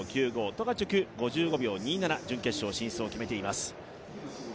トカチュク、５５秒２７準決勝進出を決めています。